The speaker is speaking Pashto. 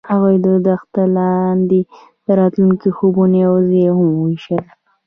هغوی د دښته لاندې د راتلونکي خوبونه یوځای هم وویشل.